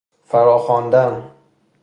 فراخواندن